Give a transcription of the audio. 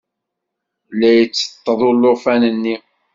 La itteṭṭeḍ ulufan-nni.